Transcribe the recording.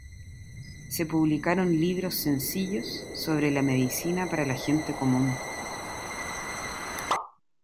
Se publicaron libros sencillos sobre la medicina para la gente común.